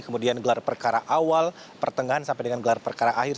kemudian gelar perkara awal pertengahan sampai dengan gelar perkara akhir